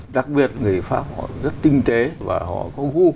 đặc biệt người pháp họ rất tinh tế và họ có gu